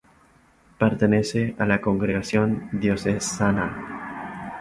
Pertenece a la congregación diocesana.